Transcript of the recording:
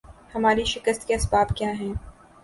ہماری شکست کے اسباب کیا ہیں